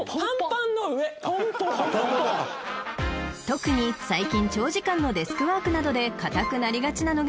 ［特に最近長時間のデスクワークなどで硬くなりがちなのがもも裏］